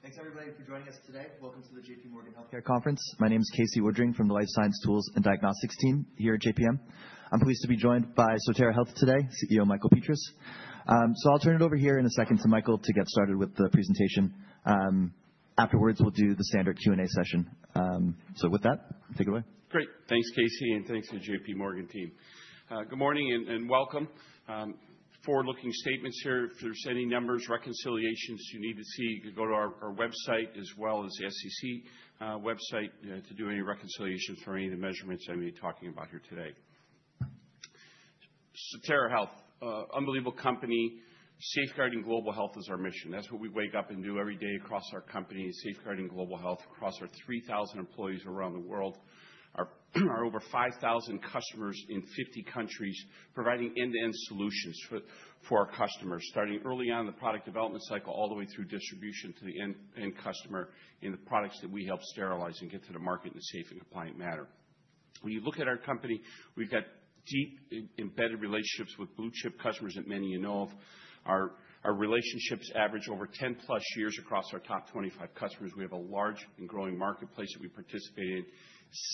Thanks, everybody, for joining us today. Welcome to the J.P. Morgan Healthcare Conference. My name is Casey Woodring from the Life Science Tools and Diagnostics team here at JPM. I'm pleased to be joined by Sotera Health today, CEO Michael Petras. So I'll turn it over here in a second to Michael to get started with the presentation. Afterwards, we'll do the standard Q&A session. So with that, take it away. Great. Thanks, Casey, and thanks to the J.P. Morgan team. Good morning and welcome. Forward-looking statements here. If there's any numbers, reconciliations you need to see, you can go to our website, as well as the SEC website to do any reconciliations for any of the measurements I'm going to be talking about here today. Sotera Health, an unbelievable company. Safeguarding global health is our mission. That's what we wake up and do every day across our company, safeguarding global health across our 3,000 employees around the world, our over 5,000 customers in 50 countries, providing end-to-end solutions for our customers, starting early on in the product development cycle all the way through distribution to the end customer in the products that we help sterilize and get to the market in a safe and compliant manner. When you look at our company, we've got deep embedded relationships with blue-chip customers that many of you know of. Our relationships average over 10+ years across our top 25 customers. We have a large and growing marketplace that we participate in.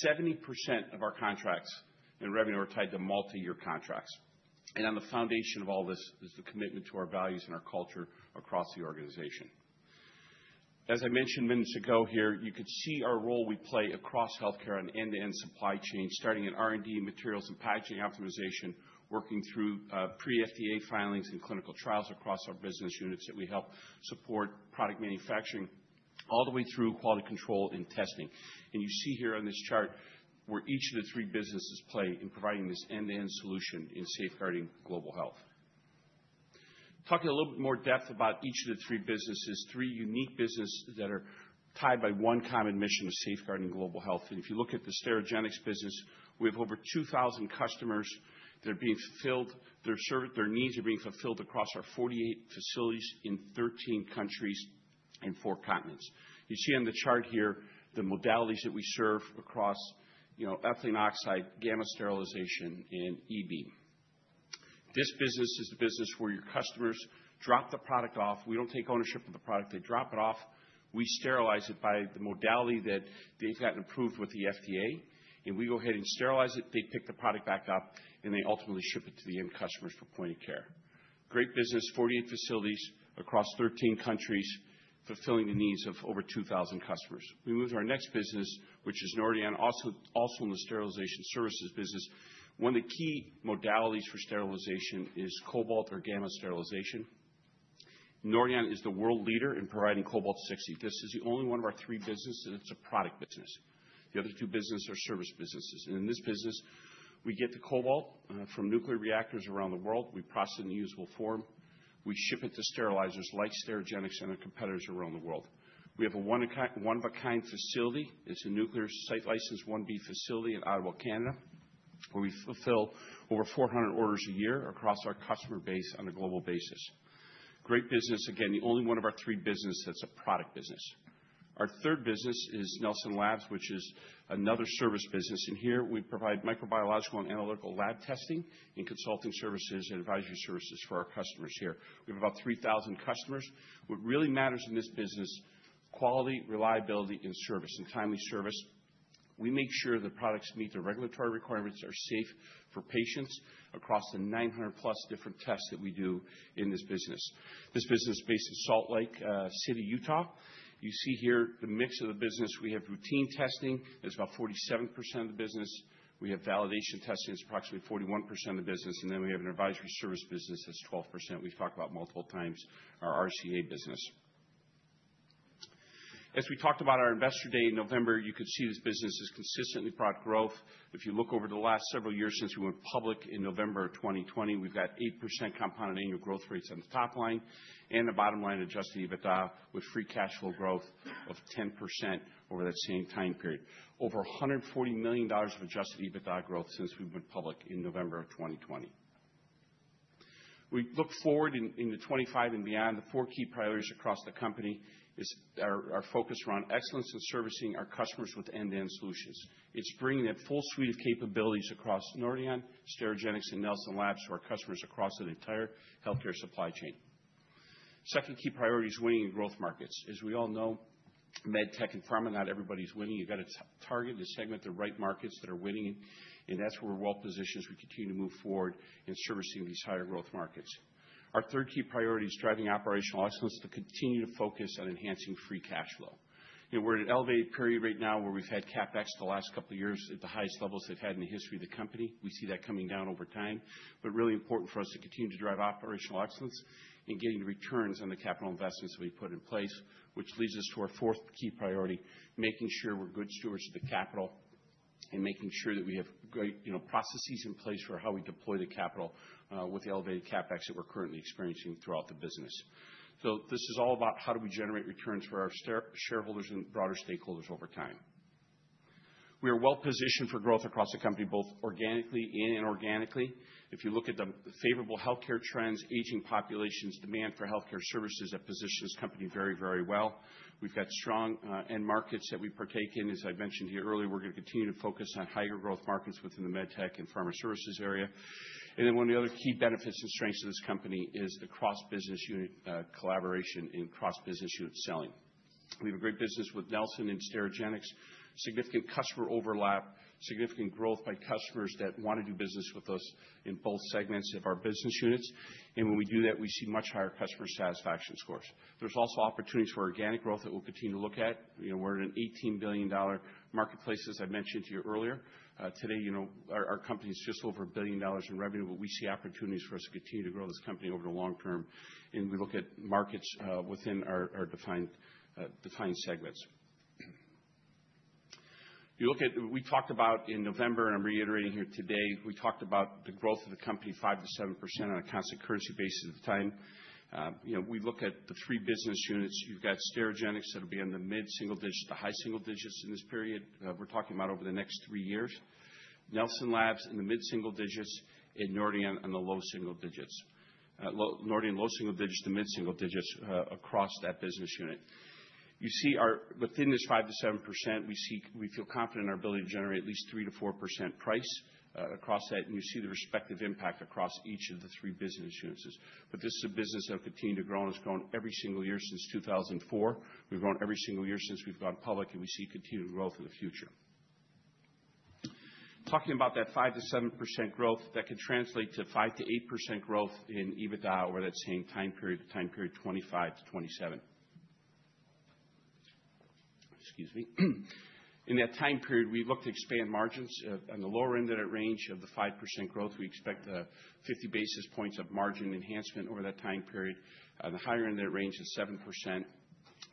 70% of our contracts and revenue are tied to multi-year contracts. And on the foundation of all this is the commitment to our values and our culture across the organization. As I mentioned minutes ago here, you could see our role we play across healthcare and end-to-end supply chain, starting at R&D, materials, and packaging optimization, working through pre-FDA filings and clinical trials across our business units that we help support product manufacturing, all the way through quality control and testing. And you see here on this chart where each of the three businesses play in providing this end-to-end solution in safeguarding global health. Talking a little bit more depth about each of the three businesses, three unique businesses that are tied by one common mission of safeguarding global health, and if you look at the Sterigenics business, we have over 2,000 customers that are being fulfilled. Their needs are being fulfilled across our 48 facilities in 13 countries and four continents. You see on the chart here the modalities that we serve across ethylene oxide, gamma sterilization, and EB. This business is the business where your customers drop the product off. We don't take ownership of the product. They drop it off. We sterilize it by the modality that they've gotten approved with the FDA, and we go ahead and sterilize it. They pick the product back up, and they ultimately ship it to the end customers for point of care. Great business, 48 facilities across 13 countries, fulfilling the needs of over 2,000 customers. We move to our next business, which is Nordion, also in the sterilization services business. One of the key modalities for sterilization is cobalt or gamma sterilization. Nordion is the world leader in providing Cobalt-60. This is the only one of our three businesses that's a product business. The other two businesses are service businesses. And in this business, we get the cobalt from nuclear reactors around the world. We process it in the usual form. We ship it to sterilizers like Sterigenics and our competitors around the world. We have a one-of-a-kind facility. It's a nuclear site-licensed Class IB facility in Ottawa, Canada, where we fulfill over 400 orders a year across our customer base on a global basis. Great business. Again, the only one of our three businesses that's a product business. Our third business is Nelson Labs, which is another service business, and here, we provide microbiological and analytical lab testing and consulting services and advisory services for our customers here. We have about 3,000 customers. What really matters in this business is quality, reliability, and service, and timely service. We make sure the products meet the regulatory requirements, are safe for patients across the 900+ different tests that we do in this business. This business is based in Salt Lake City, Utah. You see here the mix of the business. We have routine testing. That's about 47% of the business. We have validation testing. That's approximately 41% of the business, and then we have an advisory service business. That's 12%. We've talked about multiple times our RCA business. As we talked about our Investor Day in November, you could see this business has consistently brought growth. If you look over the last several years since we went public in November of 2020, we've got 8% compounded annual growth rates on the top line and the bottom line adjusted EBITDA with free cash flow growth of 10% over that same time period. Over $140 million of adjusted EBITDA growth since we went public in November of 2020. We look forward into 2025 and beyond. The four key priorities across the company are our focus around excellence in servicing our customers with end-to-end solutions. It's bringing that full suite of capabilities across Nordion, Sterigenics, and Nelson Labs to our customers across the entire healthcare supply chain. Second key priority is winning in growth markets. As we all know, med tech and pharma, not everybody's winning. You've got to target and segment the right markets that are winning. And that's where we're well positioned as we continue to move forward in servicing these higher growth markets. Our third key priority is driving operational excellence to continue to focus on enhancing free cash flow. We're in an elevated period right now where we've had CapEx the last couple of years at the highest levels they've had in the history of the company. We see that coming down over time. But really important for us to continue to drive operational excellence and getting returns on the capital investments that we put in place, which leads us to our fourth key priority, making sure we're good stewards of the capital and making sure that we have great processes in place for how we deploy the capital with the elevated CapEx that we're currently experiencing throughout the business. This is all about how do we generate returns for our shareholders and broader stakeholders over time. We are well positioned for growth across the company, both organically and inorganically. If you look at the favorable healthcare trends, aging populations, demand for healthcare services, that positions the company very, very well. We've got strong end markets that we partake in. As I mentioned here earlier, we're going to continue to focus on higher growth markets within the MedTech and Pharma services area, and one of the other key benefits and strengths of this company is the cross-business unit collaboration and cross-business unit selling. We have a great business with Nelson and Sterigenics, significant customer overlap, significant growth by customers that want to do business with us in both segments of our business units. And when we do that, we see much higher customer satisfaction scores. There's also opportunities for organic growth that we'll continue to look at. We're in an $18 billion marketplace, as I mentioned to you earlier. Today, our company is just over a billion dollars in revenue, but we see opportunities for us to continue to grow this company over the long term. And we look at markets within our defined segments. We talked about in November, and I'm reiterating here today, we talked about the growth of the company 5%-7% on a constant currency basis at the time. We look at the three business units. You've got Sterigenics that'll be in the mid-single digits, the high single digits in this period. We're talking about over the next three years. Nelson Labs in the mid-single digits and Nordion on the low single digits. Nordion, low single digits, the mid-single digits across that business unit. You see within this 5%-7%, we feel confident in our ability to generate at least 3%-4% price across that. You see the respective impact across each of the three business units. This is a business that'll continue to grow, and it's grown every single year since 2004. We've grown every single year since we've gone public, and we see continued growth in the future. Talking about that 5%-7% growth, that could translate to 5%-8% growth in EBITDA over that same time period, 2025 to 2027. Excuse me. In that time period, we look to expand margins. On the lower end of that range of the 5% growth, we expect 50 basis points of margin enhancement over that time period. On the higher end of that range of 7%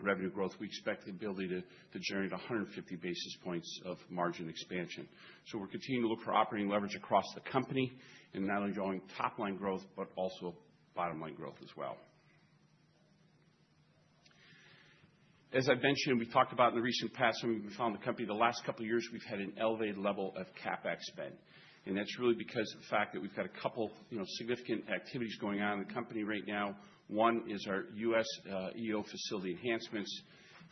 revenue growth, we expect the ability to generate 150 basis points of margin expansion, so we're continuing to look for operating leverage across the company and not only drawing top-line growth, but also bottom-line growth as well. As I mentioned, we talked about in the recent past, when we found the company, the last couple of years, we've had an elevated level of CapEx spend, and that's really because of the fact that we've got a couple of significant activities going on in the company right now. One is our U.S. EO facility enhancements.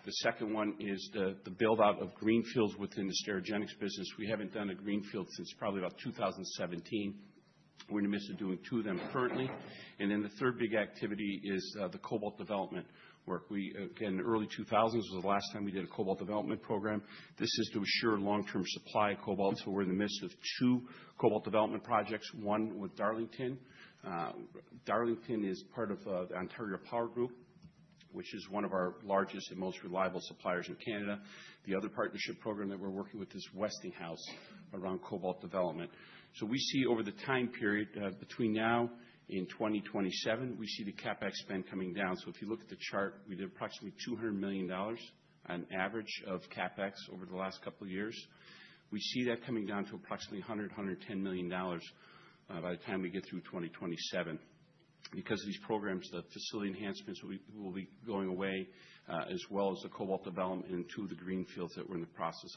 The second one is the build-out of greenfields within the Sterigenics business. We haven't done a greenfield since probably about 2017. We're in the midst of doing two of them currently, and then the third big activity is the cobalt development work. Again, in the early 2000s was the last time we did a cobalt development program. This is to assure long-term supply of cobalt. So we're in the midst of two cobalt development projects, one with Darlington. Darlington is part of the Ontario Power Generation, which is one of our largest and most reliable suppliers in Canada. The other partnership program that we're working with is Westinghouse around cobalt development. So we see over the time period between now and 2027, we see the CapEx spend coming down. So if you look at the chart, we did approximately $200 million on average of CapEx over the last couple of years. We see that coming down to approximately $100-$110 million by the time we get through 2027. Because of these programs, the facility enhancements will be going away, as well as the cobalt development into the greenfields that we're in the process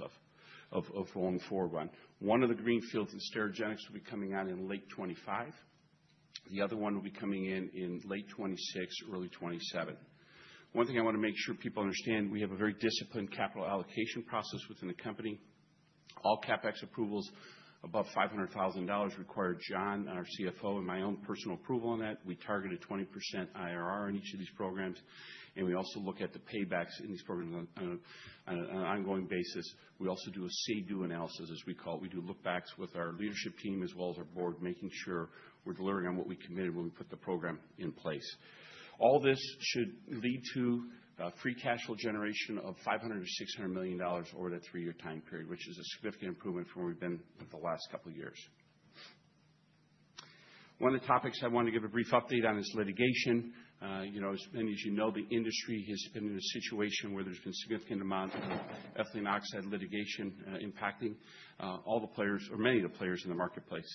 of going forward on. One of the greenfields in Sterigenics will be coming on in late 2025. The other one will be coming in late 2026, early 2027. One thing I want to make sure people understand, we have a very disciplined capital allocation process within the company. All CapEx approvals above $500,000 require John, our CFO, and my own personal approval on that. We targeted 20% IRR on each of these programs. And we also look at the paybacks in these programs on an ongoing basis. We also do a say-do analysis, as we call it. We do look-backs with our leadership team, as well as our board, making sure we're delivering on what we committed when we put the program in place. All this should lead to free cash flow generation of $500-$600 million over that three-year time period, which is a significant improvement from where we've been the last couple of years. One of the topics I wanted to give a brief update on is litigation. As many of you know, the industry has been in a situation where there's been a significant amount of ethylene oxide litigation impacting all the players or many of the players in the marketplace.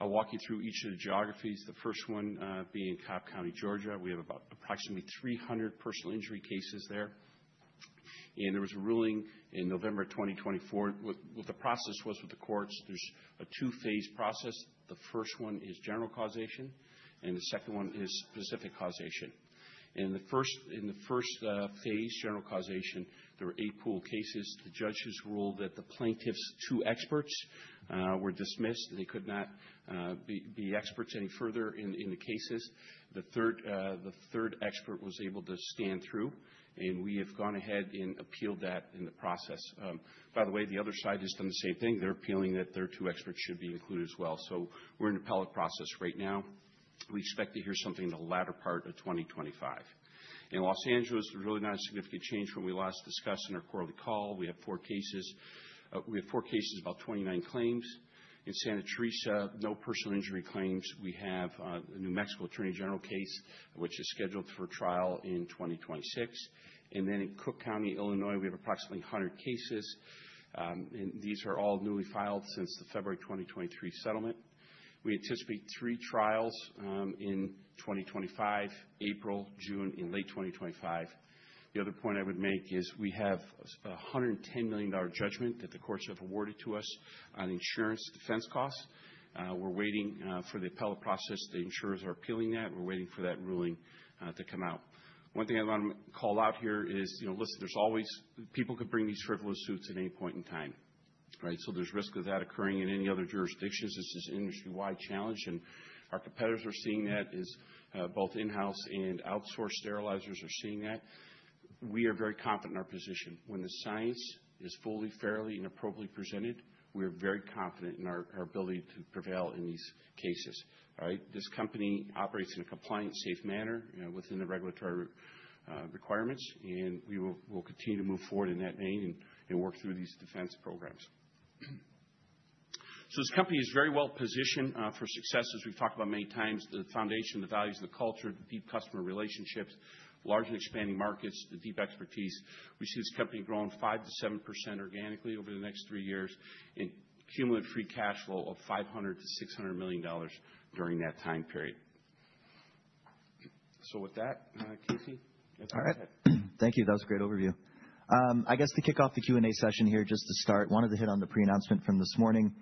I'll walk you through each of the geographies, the first one being Cobb County, Georgia. We have approximately 300 personal injury cases there, and there was a ruling in November 2024. What the process was with the courts, there's a two-phase process. The first one is general causation, and the second one is specific causation. In the first phase, general causation, there were eight pool cases. The judges ruled that the plaintiff's two experts were dismissed. They could not be experts any further in the cases. The third expert was able to stand through. And we have gone ahead and appealed that in the process. By the way, the other side has done the same thing. They're appealing that their two experts should be included as well. So we're in an appellate process right now. We expect to hear something in the latter part of 2025. In Los Angeles, there's really not a significant change from what we last discussed in our quarterly call. We have four cases. We have four cases, about 29 claims. In Santa Teresa, no personal injury claims. We have a New Mexico Attorney General case, which is scheduled for trial in 2026. And then in Cook County, Illinois, we have approximately 100 cases. These are all newly filed since the February 2023 settlement. We anticipate three trials in 2025, April, June, and late 2025. The other point I would make is we have a $110 million judgment that the courts have awarded to us on insurance defense costs. We're waiting for the appellate process. The insurers are appealing that. We're waiting for that ruling to come out. One thing I want to call out here is, listen, there's always people can bring these frivolous suits at any point in time. So there's risk of that occurring in any other jurisdictions. This is an industry-wide challenge. Our competitors are seeing that, as both in-house and outsourced sterilizers are seeing that. We are very confident in our position. When the science is fully, fairly, and appropriately presented, we are very confident in our ability to prevail in these cases. This company operates in a compliant, safe manner within the regulatory requirements, and we will continue to move forward in that vein and work through these defense programs, so this company is very well positioned for success, as we've talked about many times. The foundation, the values, the culture, the deep customer relationships, large and expanding markets, the deep expertise. We see this company growing 5%-7% organically over the next three years and cumulative free cash flow of $500-$600 million during that time period. So with that, Casey, that's all I had. All right. Thank you. That was a great overview. I guess to kick off the Q&A session here, just to start, I wanted to hit on the pre-announcement from this morning,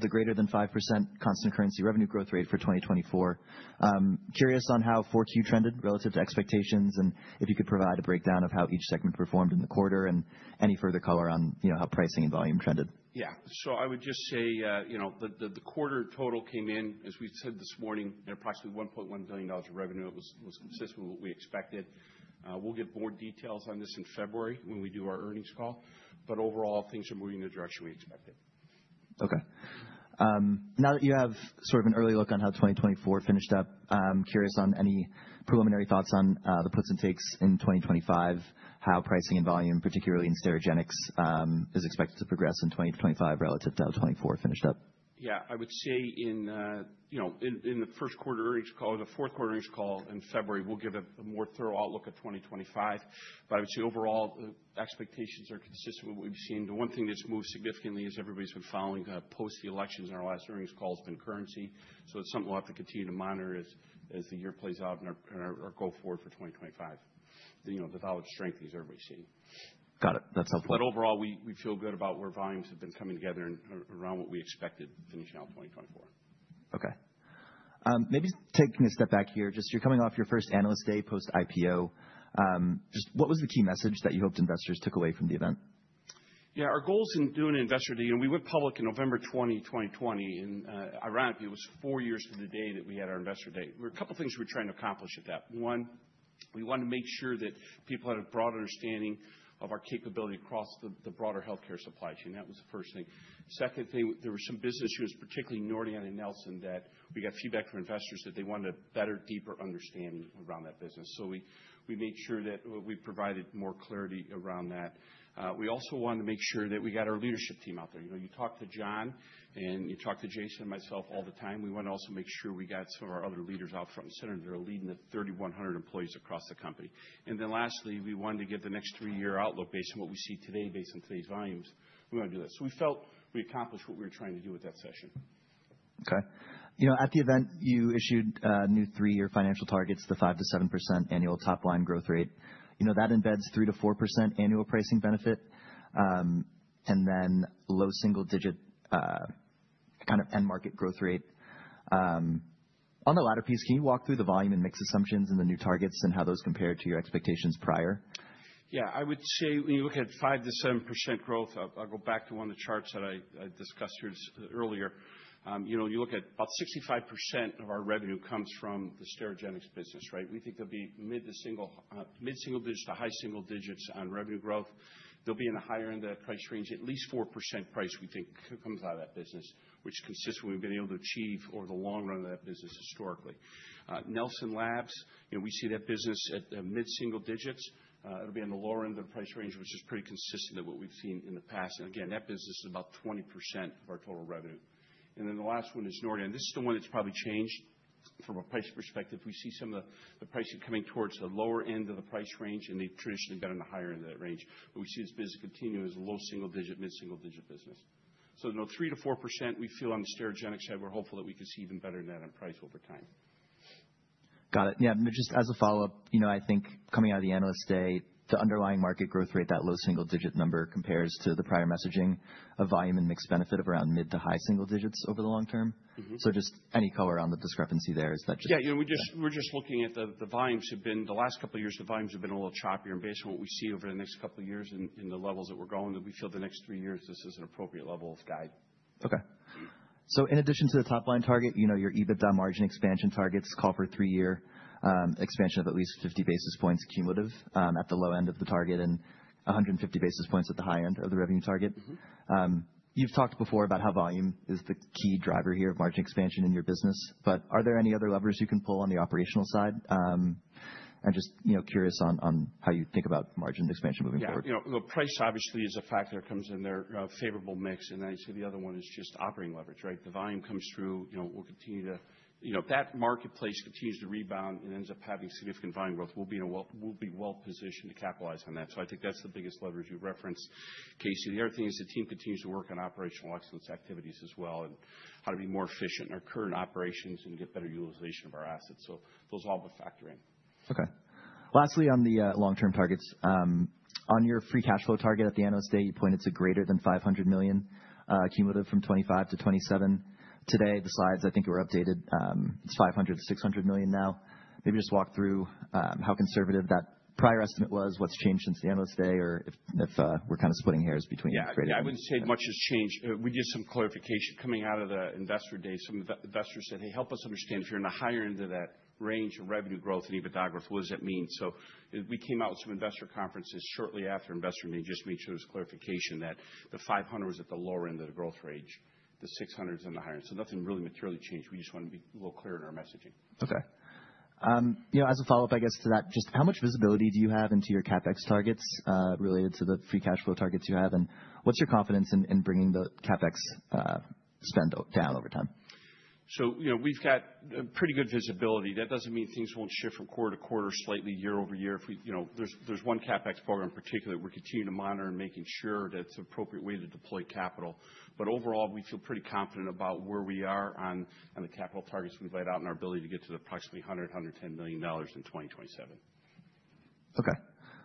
the greater than 5% constant currency revenue growth rate for 2024. all I had. All right. Thank you. That was a great overview. I guess to kick off the Q&A session here, just to start, I wanted to hit on the pre-announcement from this morning, the greater than 5% constant currency revenue growth rate for 2024. Curious on how 4Q trended relative to expectations and if you could provide a breakdown of how each segment performed in the quarter and any further color on how pricing and volume trended? Yeah. So I would just say the quarter total came in, as we said this morning, at approximately $1.1 billion of revenue. It was consistent with what we expected. We'll get more details on this in February when we do our earnings call. But overall, things are moving in the direction we expected. Okay. Now that you have sort of an early look on how 2024 finished up, I'm curious on any preliminary thoughts on the puts and takes in 2025, how pricing and volume, particularly in Sterigenics, is expected to progress in 2025 relative to how 24 finished up? Yeah. I would say in. I would say in the first quarter earnings call, the fourth quarter earnings call in February, we'll give a more thorough outlook at 2025. But I would say overall, the expectations are consistent with what we've seen. The one thing that's moved significantly as everybody's been following post the elections in our last earnings call has been currency. So it's something we'll have to continue to monitor as the year plays out and our go forward for 2025, the value of strengthening as everybody's seeing. Got it. That's helpful. But overall, we feel good about where volumes have been coming together and around what we expected finishing out 2024. Okay. Maybe taking a step back here, just you're coming off your first analyst day post IPO. Just what was the key message that you hoped investors took away from the event? Yeah. Our goals in doing an Investor Day. Yeah. Our goals in doing an Investor Day. We went public in November 2020. And ironically, it was four years to the day that we had our Investor Day. There were a couple of things we were trying to accomplish at that. One, we wanted to make sure that people had a broad understanding of our capability across the broader healthcare supply chain. That was the first thing. Second thing, there were some business units, particularly Nordion and Nelson, that we got feedback from investors that they wanted a better, deeper understanding around that business. So we made sure that we provided more clarity around that. We also wanted to make sure that we got our leadership team out there. You talk to John, and you talk to Jason and myself all the time. We wanted to also make sure we got some of our other leaders out front and center that are leading the 3,100 employees across the company, and then lastly, we wanted to give the next three-year outlook based on what we see today, based on today's volumes. We wanted to do that, so we felt we accomplished what we were trying to do with that session. Okay. At the event, you issued new three-year financial targets, the 5% to 7% annual top-line growth rate. That embeds 3% to 4% annual pricing benefit and then low single-digit kind of end-market growth rate. On the latter piece, can you walk through the volume and mix assumptions and the new targets and how those compared to your expectations prior? expectations prior? Yeah. I would say when you look at 5%-7% growth, I'll go back to one of the charts that I discussed here earlier. You look at about 65% of our revenue comes from the Sterigenics business. We think there'll be mid- to single-digit to high-single-digits on revenue growth. There'll be in the higher end of that price range, at least 4% price, we think, comes out of that business, which is consistent with what we've been able to achieve over the long run of that business historically. Nelson Labs, we see that business at the mid-single digits. It'll be in the lower end of the price range, which is pretty consistent with what we've seen in the past. Again, that business is about 20% of our total revenue. Then the last one is Nordion. This is the one that's probably changed from a pricing perspective. We see some of the pricing coming towards the lower end of the price range, and they've traditionally been in the higher end of that range. But we see this business continue as a low single-digit, mid-single-digit business. So the 3%-4%, we feel on the Sterigenics side, we're hopeful that we can see even better than that in price over time. Got it. Yeah. Just as a follow-up, I think coming out of the analyst day, the underlying market growth rate, that low single-digit number compares to the prior messaging of volume and mixed benefit of around mid to high single digits over the long term. So just any color on the discrepancy there is that just. Yeah. We're just looking at the volumes have been the last couple of years, the volumes have been a little choppier, and based on what we see over the next couple of years and the levels that we're going. We feel the next three years this is an appropriate level of guide. Okay, so in addition to the top-line target, your EBITDA margin expansion targets call for three-year expansion of at least 50 basis points cumulative at the low end of the target and 150 basis points at the high end of the revenue target. You've talked before about how volume is the key driver here of margin expansion in your business, but are there any other levers you can pull on the operational side? And just curious on how you think about margin expansion moving forward. Yeah. The price obviously is a factor that comes in there favorable mix.ay the other one is just operating leverage. The volume comes through. We'll continue to, if that marketplace continues to rebound and ends up having significant volume growth, we'll be well positioned to capitalize on that. So I think that's the biggest leverage you referenced, Casey. The other thing is the team continues to work on operational excellence activities as well and how to be more efficient in our current operations and get better utilization of our assets. So those all will factor in. Okay. Lastly, on the long-term targets, on your free cash flow target at the analyst day, you pointed to greater than $500 million cumulative from 2025 to 2027. Today, the slides, I think, were updated. It's $500 million to $600 million now. Okay. Lastly, on the long-term targets, on your free cash flow target at the analyst day, you pointed to greater than $500 million cumulative from 2025 to 2027. Today, the slides, I think, were updated. It's $500 million to $600 million now. Maybe just walk through how conservative that prior estimate was, what's changed since the analyst day, or if we're kind of splitting hairs between the three different? Yeah. I wouldn't say much has changed. We did some clarification coming out of the Investor Day. Some investors said, "Hey, help us understand if you're in the higher end of that range of revenue growth and EBITDA growth, what does that mean?" So we came out with some investor conferences shortly after investor meeting just to make sure there's clarification that the 500 was at the lower end of the growth range, the 600 is in the higher end. So nothing really materially changed. We just wanted to be a little clearer in our messaging. Okay. As a follow-up, I guess to that, just how much visibility do you have into your CapEx targets related to the free cash flow targets you have? And what's your confidence in bringing the CapEx spend down over time? So we've got pretty good visibility. That doesn't mean things won't shift from quarter to quarter slightly year over year. There's one CapEx program in particular that we're continuing to monitor and making sure that it's an appropriate way to deploy capital. But overall, we feel pretty confident about where we are on the capital targets we've laid out and our ability to get to approximately $100-$110 million in 2027. Okay.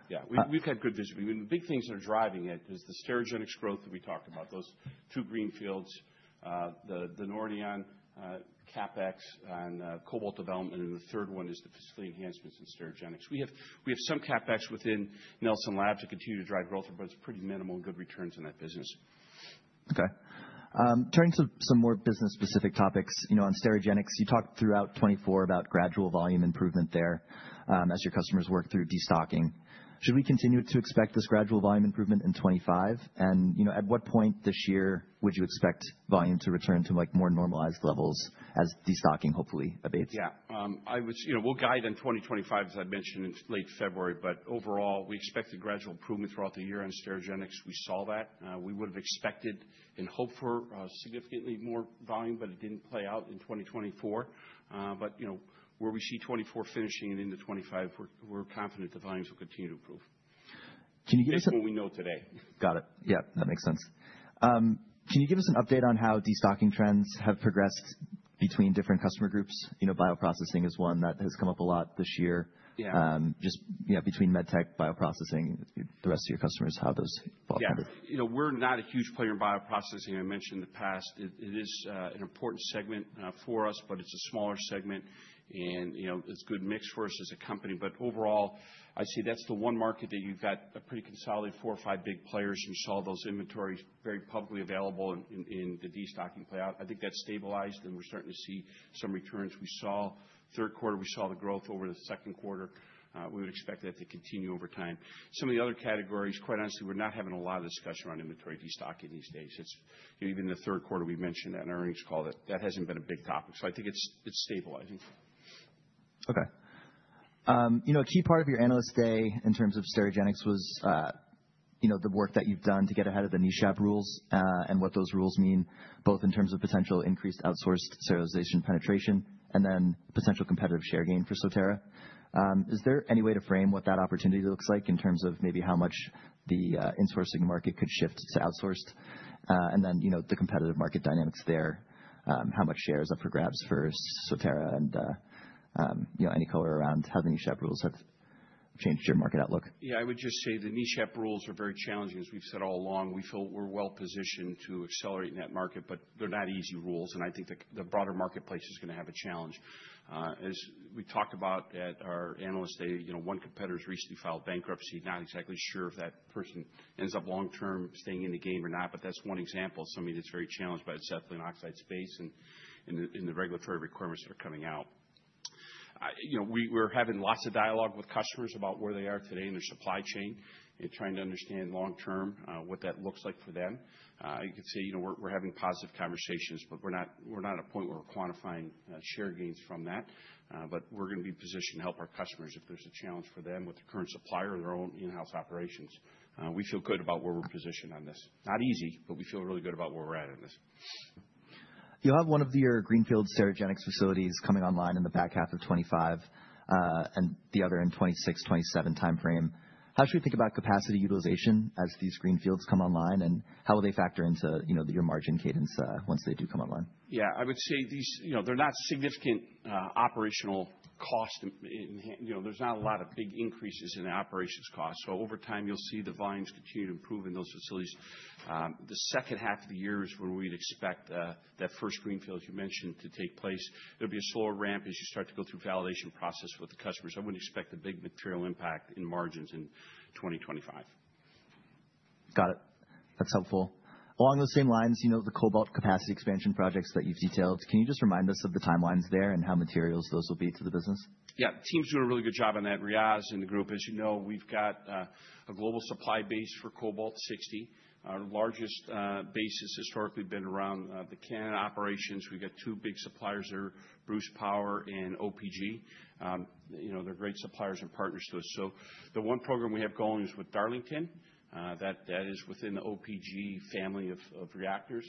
Yeah. We've got good visibility. The big things that are driving it is the Sterigenics growth that we talked about, those two greenfields, the Nordion CapEx, and cobalt development. The third one is the facility enhancements in Sterigenics. We have some CapEx within Nelson Labs that continue to drive growth, but it's pretty minimal and good returns in that business. Okay. Turning to some more business-specific topics, on Sterigenics, you talked throughout 2024 about gradual volume improvement there as your customers work through destocking. Should we continue to expect this gradual volume improvement in 2025? And at what point this year would you expect volume to return to more normalized levels as destocking hopefully abates? Yeah. We'll guidance 2025, as I mentioned, in late February. But overall, we expected gradual improvement throughout the year on Sterigenics. We saw that. We would have expected and hoped for significantly more volume, but it didn't play out in 2024. But where we see 2024 finishing and into 2025, we're confident the volumes will continue to improve. That's what we know today. Got it. Yeah. That makes sense. Can you give us an update on how destocking trends have progressed between different customer groups? Bioprocessing is one that has come up a lot this year. Just between MedTech, bioprocessing, the rest of your customers, how those have all kind of. Yeah. We're not a huge player in bioprocessing, I mentioned in the past. It is an important segment for us, but it's a smaller segment. And it's a good mix for us as a company. But overall, I'd say that's the one market that you've got a pretty consolidated four or five big players. And you saw those inventories very publicly available in the destocking playout. I think that's stabilized, and we're starting to see some returns. We saw third quarter, we saw the growth over the second quarter. We would expect that to continue over time. Some of the other categories, quite honestly, we're not having a lot of discussion around inventory destocking these days. Even in the third quarter, we mentioned that in our earnings call, that hasn't been a big topic. So I think it's stabilizing. Okay. A key part of your analyst day in terms of Sterigenics was the work that you've done to get ahead of the NESHAP rules and what those rules mean, both in terms of potential increased outsourced sterilization penetration and then potential competitive share gain for Sotera. Is there any way to frame what that opportunity looks like in terms of maybe how much the insourcing market could shift to outsourced and then the competitive market dynamics there? How much share is up for grabs for Sotera and any color around how the NESHAP rules have changed your market outlook? Yeah. I would just say the NESHAP rules are very challenging, as we've said all along. We feel we're well positioned to accelerate in that market, but they're not easy rules. And I think the broader marketplace is going to have a challenge. As we talked about at our analyst day, one competitor has recently filed bankruptcy. Not exactly sure if that person ends up long-term staying in the game or not, but that's one example of something that's very challenged by the ethylene oxide space and the regulatory requirements that are coming out. We're having lots of dialogue with customers about where they are today in their supply chain and trying to understand long-term what that looks like for them. You could say we're having positive conversations, but we're not at a point where we're quantifying share gains from that. But we're going to be positioned to help our customers if there's a challenge for them with the current supplier or their own in-house operations. We feel good about where we're positioned on this. Not easy, but we feel really good about where we're at in this. You'll have one of your Greenfield Sterigenics facilities coming online in the back half of 2025 and the other in 2026, 2027 timeframe. How should we think about capacity utilization as these Greenfields come online, and how will they factor into your margin cadence once they do come online? Yeah. I would say they're not significant operational cost. There's not a lot of big increases in the operations cost. So over time, you'll see the volumes continue to improve in those facilities. The second half of the year is where we'd expect that first Greenfield, as you mentioned, to take place. There'll be a slower ramp as you start to go through validation process with the customers. I wouldn't expect a big material impact in margins in 2025. Got it. That's helpful. Got it. That's helpful.. Along those same lines, the cobalt capacity expansion projects that you've detailed, can you just remind us of the timelines there and how materials those will be to the business? Yeah. The team's doing a really good job on that. Riaz and the group, as you know, we've got a global supply base for Cobalt-60. Our largest base has historically been around the Canadian operations. We've got two big suppliers there, Bruce Power and OPG. They're great suppliers and partners to us. So the one program we have going is with Darlington. That is within the OPG family of reactors.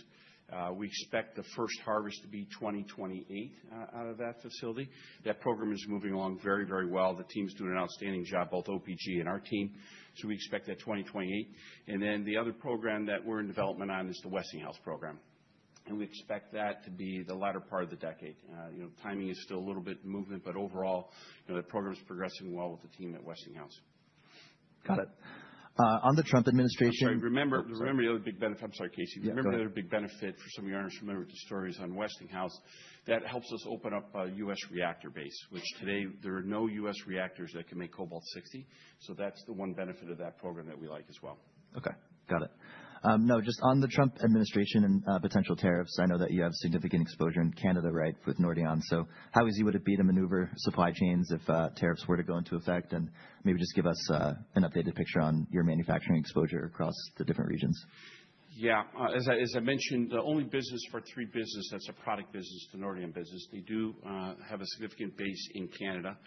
We expect the first harvest to be 2028 out of that facility. That program is moving along very, very well. The team's doing an outstanding job, both OPG and our team. We expect that 2028. And then the other program that we're in development on is the Westinghouse program. And we expect that to be the latter part of the decade. Timing is still a little bit in movement, but overall, the program's progressing well with the tea m at Westinghouse. Got it. On the Trump administration. Remember the other big benefit. I'm sorry, Casey. Remember the other big benefit for some of your owners who are familiar with the stories on Westinghouse. That helps us open up a U.S. reactor base, which today, there are no U.S. reactors that can make Cobalt-60. So that's the one benefit of that program that we like as well. Okay. Got it. No, just on the Trump administration and potential tariffs. I know that you have significant exposure in Canada, right, with Nordion. So how easy would it be to maneuver supply chains if tariffs were to go into effect? And maybe just give us an updated picture on your manufacturing exposure across the different regions. Yeah. As I mentioned, the only business of our three businesses, that's a product business, the Nordion business. They do have a significant base in Canada.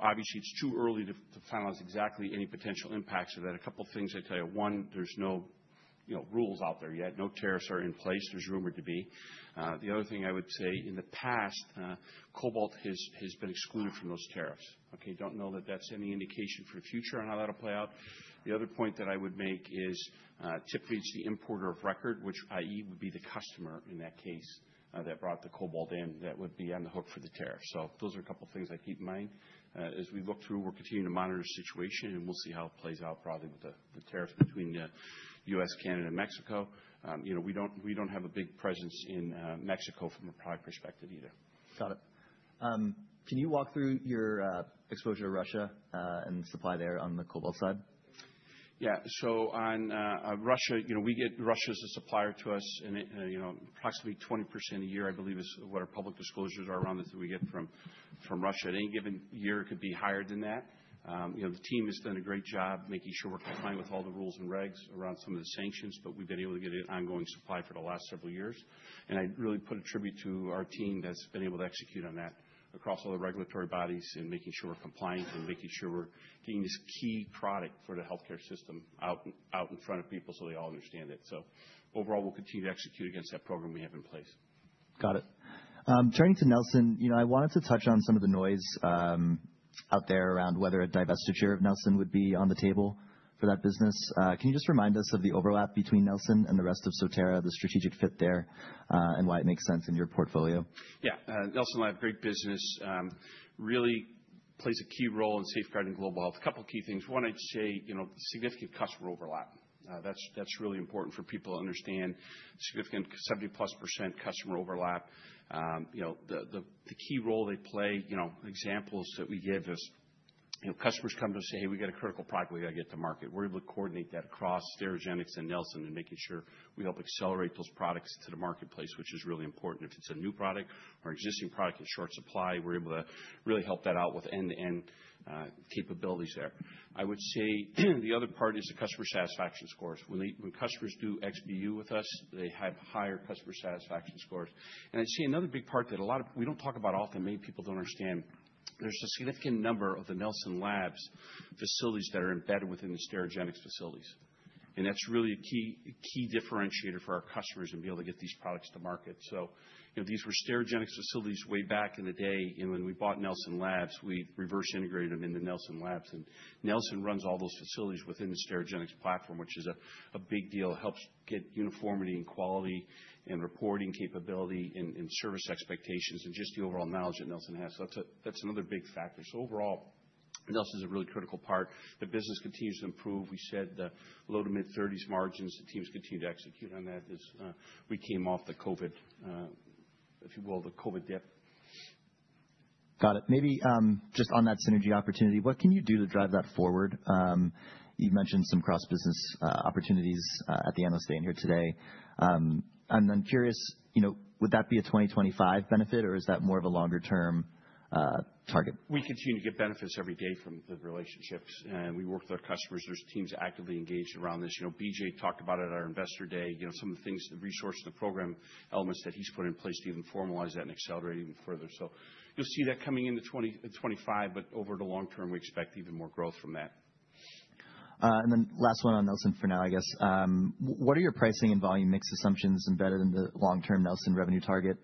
Obviously, it's too early to finalize exactly any potential impacts of that. A couple of things I can tell you. One, there's no rules out there yet. No tariffs are in place. There's rumored to be. The other thing I would say, in the past, cobalt has been excluded from those tariffs. I don't know that that's any indication for the future on how that'll play out. The other point that I would make is TIPFI is the importer of record, which, i.e., would be the customer in that case that brought the cobalt in that would be on the hook for the tariff. So those are a couple of things I'd keep in mind. As we look through, we're continuing to monitor the situation, and we'll see how it plays out broadly with the tariffs between the U.S., Canada, and Mexico. We don't have a big presence in Mexico from a product perspective either. Got it. Can you walk through your exposure to Russia and supply there on the cobalt side? Yeah. So on Russia, we get Russia as a supplier to us. And approximately 20% a year, I believe, is what our public disclosures are around that we get from Russia. At any given year, it could be higher than that. The team has done a great job making sure we're compliant with all the rules and regs around some of the sanctions, but we've been able to get an ongoing supply for the last several years, and I really pay tribute to our team that's been able to execute on that across all the regulatory bodies and making sure we're compliant and making sure we're getting this key product for the healthcare system out in front of people so they all understand it, so overall, we'll continue to execute against that program we have in place. Got it. Turning to Nelson, I wanted to touch on some of the noise out there around whether a divestiture of Nelson would be on the table for that business. Can you just remind us of the overlap between Nelson and the rest of Sotera, the strategic fit there, and why it makes sense in your portfolio? Yeah. Nelson Labs, great business, really plays a key role in safeguarding global health. A couple of key things. One, I'd say significant customer overlap. That's really important for people to understand. Significant 70%+ customer overlap. The key role they play, examples that we give is customers come to us and say, "Hey, we got a critical product we got to get to market." We're able to coordinate that across Sterigenics and Nelson and making sure we help accelerate those products to the marketplace, which is really important. If it's a new product or an existing product in short supply, we're able to really help that out with end-to-end capabilities there. I would say the other part is the customer satisfaction scores. When customers do XBU with us, they have higher customer satisfaction scores. And I'd say another big part that we don't talk about often, many people don't understand, there's a significant number of the Nelson Labs facilities that are embedded within the Sterigenics facilities. And that's really a key differentiator for our customers in being able to get these products to market. So these were Sterigenics facilities way back in the day. And when we bought Nelson Labs, we reverse integrated them into Nelson Labs. And Nelson runs all those facilities within the Sterigenics platform, which is a big deal. It helps get uniformity and quality and reporting capability and service expectations and just the overall knowledge that Nelson has. That's another big factor. So overall, Nelson is a really critical part. The business continues to improve. We said the low- to mid-30s margins. The teams continue to execute on that as we came off the COVID, if you will, the COVID dip. Got it. Maybe just on that synergy opportunity, what can you do to drive that forward? You mentioned some cross-business opportunities at the Analyst Day and here today. I'm curious, would that be a 2025 benefit, or is that more of a longer-term target? We continue to get benefits every day from the relationships. And we work with our customers. There's teams actively engaged around this. B.J. talked about it at our Investor Day, some of the things, the resource and the program elements that he's put in place to even formalize that and accelerate even further. So you'll see that coming into 2025, but over the long term, we expect even more growth from that. And then last one on Nelson for now, I guess. What are your pricing and volume mix assumptions embedded in the long-term Nelson revenue target?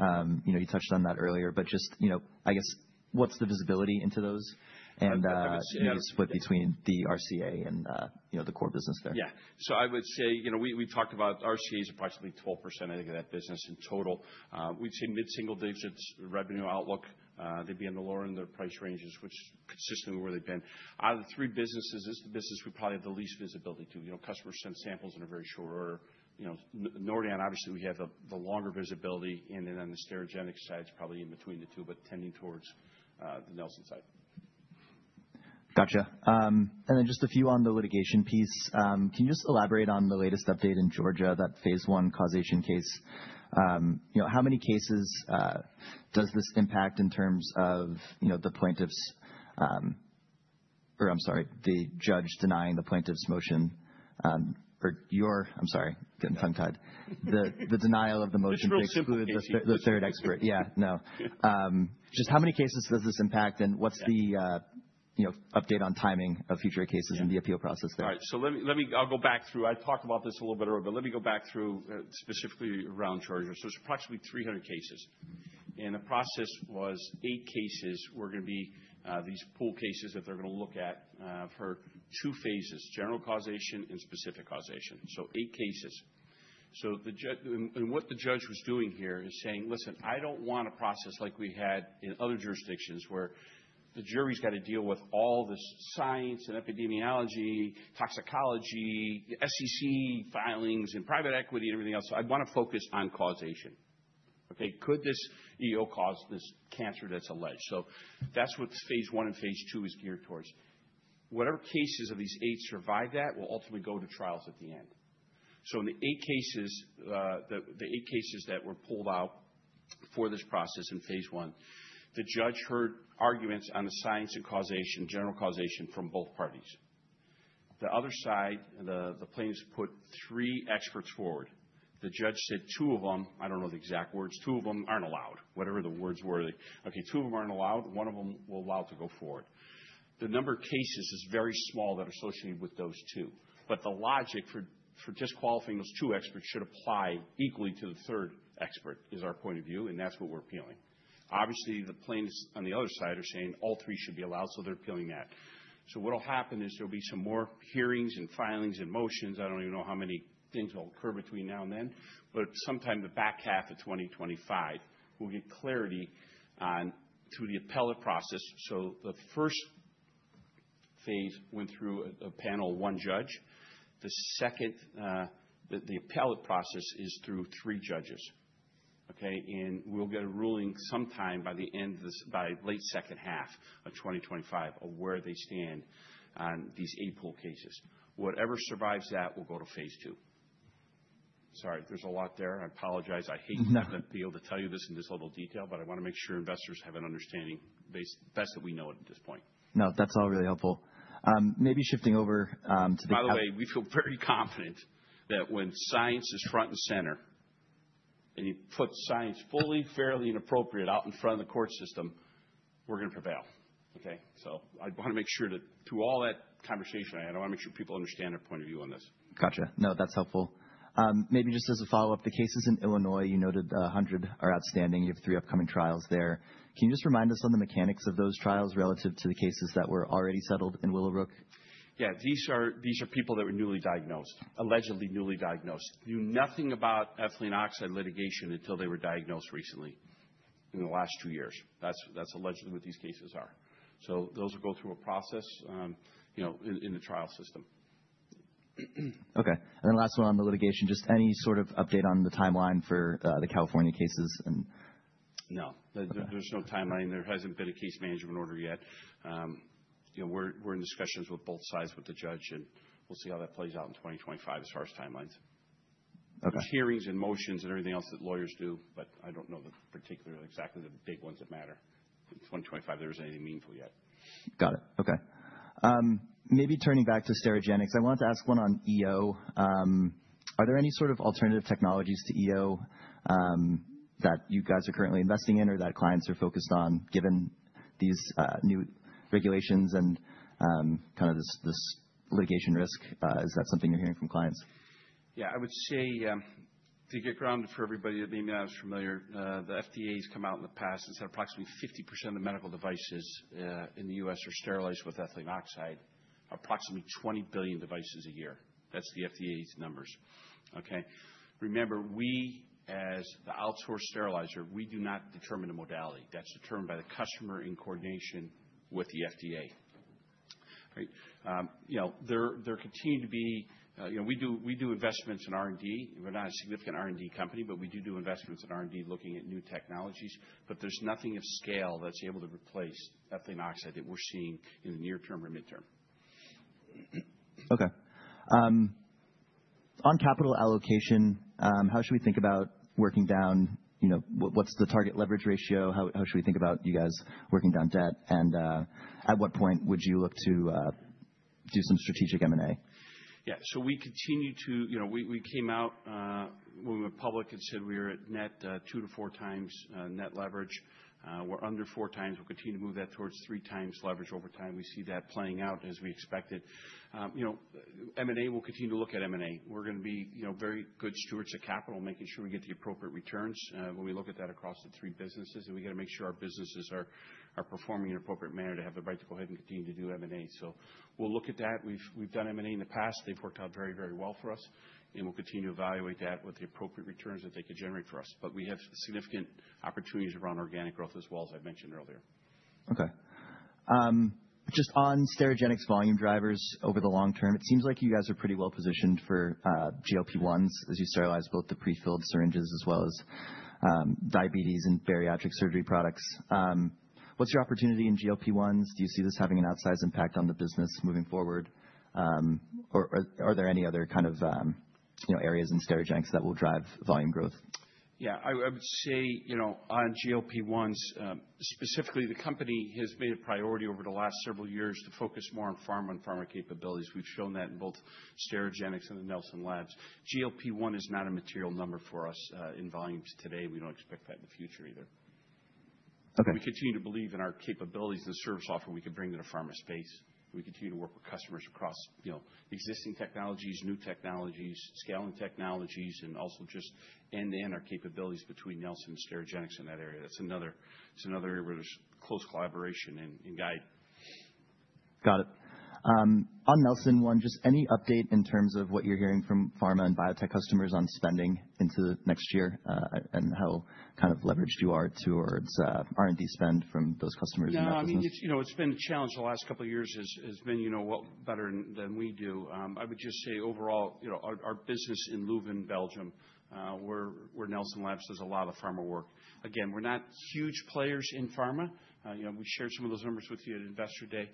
You touched on that earlier, but just, I guess, what's the visibility into those and the split between the RCA and the core business there? Yeah. So I would say we've talked about RCA is approximately 12%, I think, of that business in total. We'd say mid-single digits revenue outlook. They'd be in the lower end of the price ranges, which is consistent with where they've been. Out of the three businesses, it's the business we probably have the least visibility to. Customers send samples in a very short order. Nordion, obviously, we have the longer visibility. And then on the Sterigenics side, it's probably in between the two, but tending towards the Nelson side. Gotcha. And then just a few on the litigation piece. Can you just elaborate on the latest update in Georgia, that phase one causation case? How many cases does this impact in terms of the plaintiff's or, I'm sorry, the judge denying the plaintiff's motion or your, I'm sorry, getting tongue-tied, the denial of the motion to exclude the third expert? Yeah. No. Just how many cases does this impact, and what's the update on timing of future cases in the appeal process there? All right. So I'll go back through. I talked about this a little bit earlier, but let me go back through specifically around Georgia. So it's approximately 300 cases. And the process was eight cases were going to be these pool cases that they're going to look at for two phases: general causation and specific causation. So eight cases. What the judge was doing here is saying, "Listen, I don't want a process like we had in other jurisdictions where the jury's got to deal with all this science and epidemiology, toxicology, SEC filings, and private equity and everything else. I want to focus on causation. Okay? Could this EO cause this cancer that's alleged?" That's what phase one and phase two is geared towards. Whatever cases of these eight survive that will ultimately go to trials at the end. In the eight cases, the eight cases that were pulled out for this process in phase one, the judge heard arguments on the science and causation, general causation from both parties. The other side, the plaintiffs put three experts forward. The judge said two of them—I don't know the exact words—two of them aren't allowed, whatever the words were. Okay. Two of them aren't allowed. One of them will allow to go forward. The number of cases is very small that are associated with those two. But the logic for disqualifying those two experts should apply equally to the third expert, is our point of view, and that's what we're appealing. Obviously, the plaintiffs on the other side are saying all three should be allowed, so they're appealing that. So what'll happen is there'll be some more hearings and filings and motions. I don't even know how many things will occur between now and then, but sometime the back half of 2025, we'll get clarity through the appellate process. So the first phase went through a panel of one judge. The second, the appellate process, is through three judges. Okay? We'll get a ruling sometime by the end of this by late second half of 2025 of where they stand on these eight pooled cases. Whatever survives that will go to phase two. Sorry. There's a lot there. I apologize. I hate to be able to tell you this in this level of detail, but I want to make sure investors have an understanding best that we know it at this point. No, that's all really helpful. Maybe shifting over to the. By the way, we feel very confident that when science is front and center and you put science fully, fairly, and appropriate out in front of the court system, we're going to prevail. Okay? So I want to make sure that through all that conversation, I want to make sure people understand our point of view on this. Gotcha. No, that's helpful. Maybe just as a follow-up, the cases in Illinois, you noted 100 are outstanding. You have three upcoming trials there. Can you just remind us on the mechanics of those trials relative to the cases that were already settled in Willowbrook? Yeah. These are people that were newly diagnosed, allegedly newly diagnosed. Knew nothing about ethylene oxide litigation until they were diagnosed recently in the last two years. That's allegedly what these cases are. So those will go through a process in the trial system. Okay. And then last one on the litigation, just any sort of update on the timeline for the California cases and. No. There's no timeline. There hasn't been a case management order yet. We're in discussions with both sides, with the judge, and we'll see how that plays out in 2025 as far as timelines. are hearings and motions and everything else that lawyers do, but I don't know particularly exactly the big ones that matter in 2025. There isn't anything meaningful yet. Got it. Okay. Maybe turning back to Sterigenics, I wanted to ask one on EO. Are there any sort of alternative technologies to EO that you guys are currently investing in or that clients are focused on given these new regulations and kind of this litigation risk? Is that something you're hearing from clients? Yeah. I would say to get grounded for everybody, the market is familiar. The FDA has come out in the past and said approximately 50% of the medical devices in the U.S. are sterilized with ethylene oxide, approximately 20 billion devices a year. That's the FDA's numbers. Okay? Remember, we as the outsourced sterilizer, we do not determine a modality. That's determined by the customer in coordination with the FDA. Right? There continue to be—we do investments in R&D. We're not a significant R&D company, but we do do investments in R&D looking at new technologies. But there's nothing of scale that's able to replace ethylene oxide that we're seeing in the near term or midterm. Okay. On capital allocation, how should we think about working down? What's the target leverage ratio? How should we think about you guys working down debt? And at what point would you look to do some strategic M&A? Yeah. So we continue to—we came out when we went public and said we were at net two to four times net leverage. We're under four times. We'll continue to move that towards three times leverage over time. We see that playing out as we expected. M&A, we'll continue to look at M&A. We're going to be very good stewards of capital, making sure we get the appropriate returns when we look at that across the three businesses. And we got to make sure our businesses are performing in an appropriate manner to have the right to go ahead and continue to do M&A. So we'll look at that. We've done M&A in the past. They've worked out very, very well for us. And we'll continue to evaluate that with the appropriate returns that they could generate for us. But we have significant opportunities around organic growth as well, as I mentioned earlier. Okay. Just on Sterigenics volume drivers over the long term, it seems like you guys are pretty well positioned for GLP-1s as you sterilize both the prefilled syringes as well as diabetes and bariatric surgery products. What's your opportunity in GLP-1s? Do you see this having an outsized impact on the business moving forward? Or are there any other kind of areas in Sterigenics that will drive volume growth? Yeah. I would say on GLP-1s, specifically, the company has made a priority over the last several years to focus more on pharma and pharma capabilities. We've shown that in both Sterigenics and the Nelson Labs. GLP-1 is not a material number for us in volumes today. We don't expect that in the future either. We continue to believe in our capabilities and the service offer we can bring to the pharma space. We continue to work with customers across existing technologies, new technologies, scaling technologies, and also just end-to-end our capabilities between Nelson and Sterigenics in that area. That's another area where there's close collaboration and guide. Got it. On Nelson Labs, just any update in terms of what you're hearing from pharma and biotech customers on spending into next year and how kind of leveraged you are towards R&D spend from those customers in that position? Yeah. I mean, it's been a challenge the last couple of years has been better than we do. I would just say overall, our business in Leuven, Belgium, where Nelson Labs does a lot of pharma work. Again, we're not huge players in pharma. We shared some of those numbers with you at Investor Day,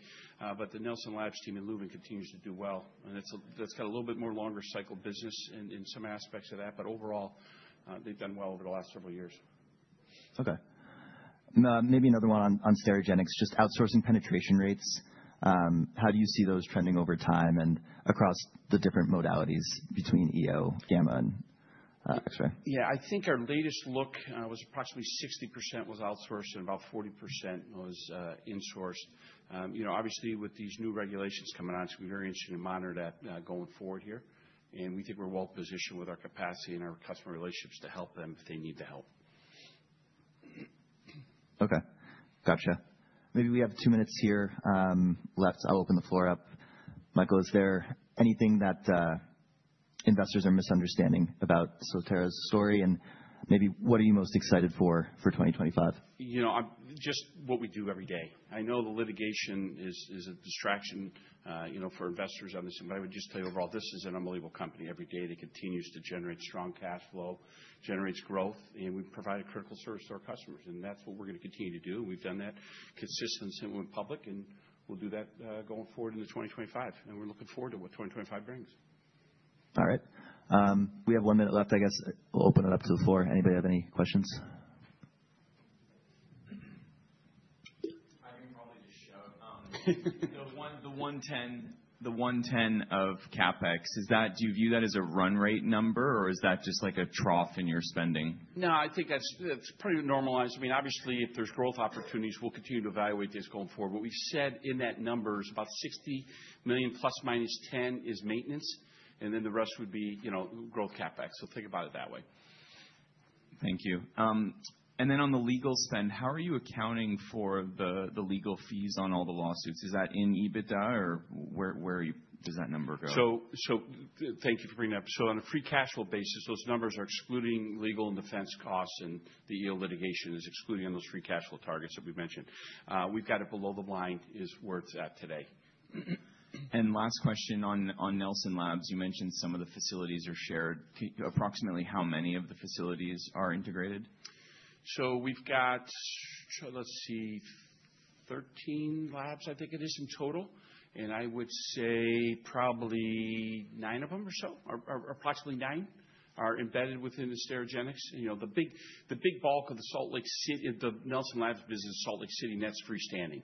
but the Nelson Labs team in Leuven continues to do well, and that's got a little bit more longer-cycle business in some aspects of that, but overall, they've done well over the last several years. Okay. Maybe another one on Sterigenics, just outsourcing penetration rates. How do you see those trending over time and across the different modalities between EO, Gamma, and X-ray? Yeah. I think our latest look was approximately 60% was outsourced and about 40% was insourced. Obviously, with these new regulations coming on, it's going to be very interesting to monitor that going forward here. And we think we're well positioned with our capacity and our customer relationships to help them if they need the help. Okay. Gotcha. Maybe we have two minutes here left. I'll open the floor up. Michael, is there anything that investors are misunderstanding about Sotera's story? And maybe what are you most excited for for 2025? Just what we do every day. I know the litigation is a distraction for investors on this, but I would just tell you overall, this is an unbelievable company. Every day, it continues to generate strong cash flow, generates growth, and we provide a critical service to our customers. And that's what we're going to continue to do. We've done that consistently when we went public, and we'll do that going forward into 2025. And we're looking forward to what 2025 brings. All right. We have one minute left, I guess. We'll open it up to the floor. Anybody have any questions? I can probably just show the $110 million of CapEx. Do you view that as a run rate number, or is that just like a trough in your spending? No, I think that's pretty normalized. I mean, obviously, if there's growth opportunities, we'll continue to evaluate this going forward. What we said in that number is about $60 million ± $10 million is maintenance, and then the rest would be growth CapEx. So think about it that way. Thank you. And then on the legal spend, how are you accounting for the legal fees on all the lawsuits? Is that in EBITDA, or where does that number go? So thank you for bringing that up. So on a free cash flow basis, those numbers are excluding legal and defense costs, and the EO litigation is excluding on those free cash flow targets that we mentioned. We've got it below the line is where it's at today. And last question on Nelson Labs. You mentioned some of the facilities are shared. Approximately how many of the facilities are integrated? So we've got, let's see, 13 labs, I think it is in total. And I would say probably nine of them or so, or approximately nine, are embedded within Sterigenics. The big bulk of the Salt Lake City, the Nelson Labs business, Salt Lake City, and that's freestanding.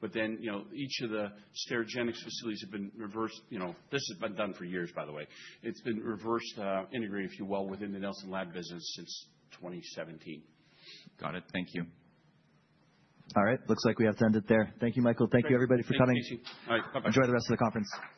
But then each of the Sterigenics facilities have been reversed. This has been done for years, by the way. It's been reverse integrated, if you will, within the Nelson Labs business since 2017. Got it. Thank you. All right. Looks like we have to end it there. Thank you, Michael. Thank you, everybody, for coming. Thank you. All right. Bye-bye. Enjoy the rest of the conference.